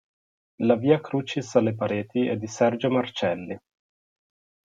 La "Via Crucis" alle pareti è di Sergio Marcelli.